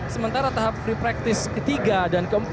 sementara tahap free practice ke tiga dan ke empat